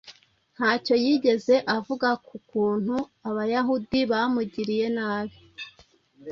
Ntacyo yigeze avuga ku kuntu Abayahudi bamugiriye nabi